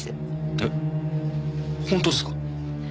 えっ本当ですか？